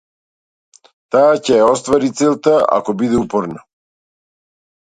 Таа ќе ја оствари целта ако биде упорна.